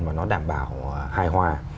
mà nó đảm bảo hài hòa